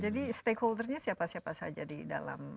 jadi stakeholdernya siapa siapa saja di dalam